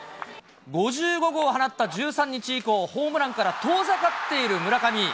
５５号を放った１３日以降、ホームランから遠ざかっている村上。